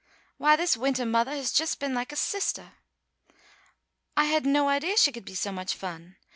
Why, this wintah mothah has been just like a sistah. I had no idea she could be so much fun.